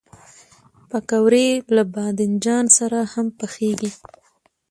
پکورې له بادنجان سره هم پخېږي